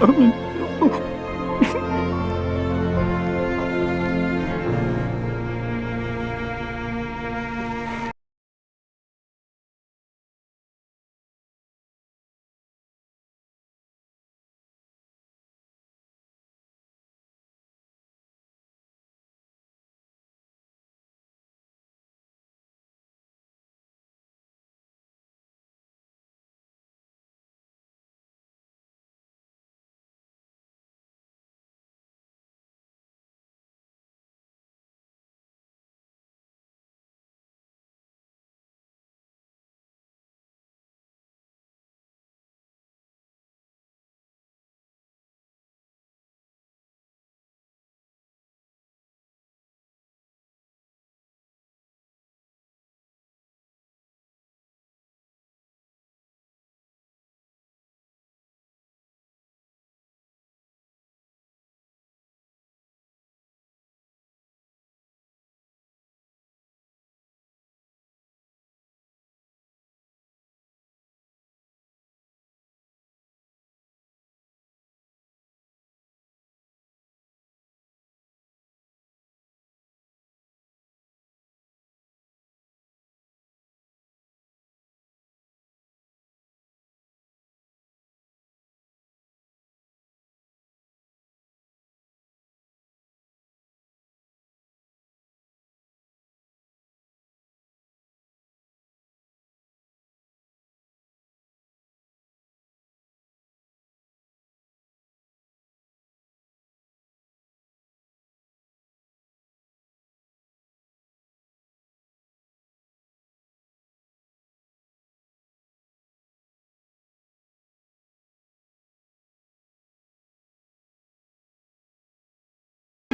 amin ya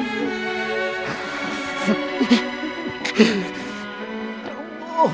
allah